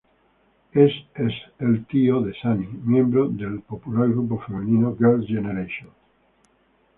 Él es el tío de Sunny, miembro de el popular grupo femenino Girls' Generation.